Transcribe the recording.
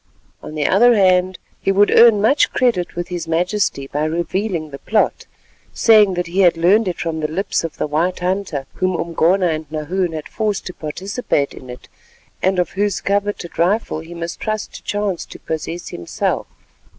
On the other hand he would earn much credit with his majesty by revealing the plot, saying that he had learned it from the lips of the white hunter, whom Umgona and Nahoon had forced to participate in it, and of whose coveted rifle he must trust to chance to possess himself.